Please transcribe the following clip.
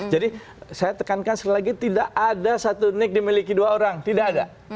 jadi saya tekankan sekali lagi tidak ada satu nick dimiliki dua orang tidak ada